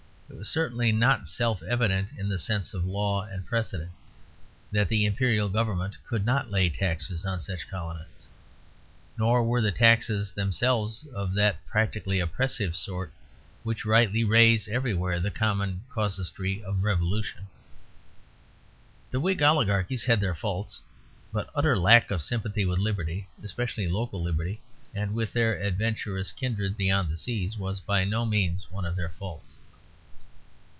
It was certainly not self evident, in the sense of law and precedent, that the imperial government could not lay taxes on such colonists. Nor were the taxes themselves of that practically oppressive sort which rightly raise everywhere the common casuistry of revolution. The Whig oligarchs had their faults, but utter lack of sympathy with liberty, especially local liberty, and with their adventurous kindred beyond the seas, was by no means one of their faults.